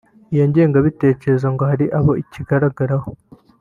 Iyi ngengabitekerezo ngo hari abo ikigaragaraho